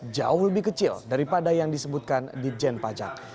jauh lebih kecil daripada yang disebutkan di jen pajak